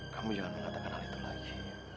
kamu jangan katakan lagi